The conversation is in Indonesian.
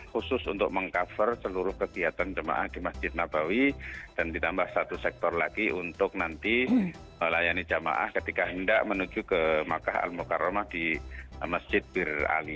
khusus untuk meng cover seluruh kegiatan jemaah di masjid nabawi dan ditambah satu sektor lagi untuk nanti melayani jamaah ketika hendak menuju ke makkah al mukarramah di masjid bir ali